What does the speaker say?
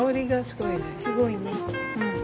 すごいね。